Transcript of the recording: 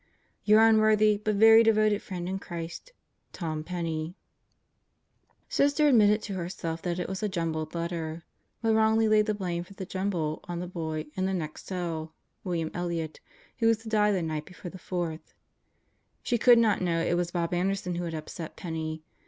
Your unworthy but very devoted friend in Christ, Tom Penney Sister admitted to herself that it was a jumbled letter, but wrongly laid the blame for the jumble on the boy "in the next cell," William Elliott, who was to die the night before the Fourth. She could not know it was Bob Anderson who had upset Penney.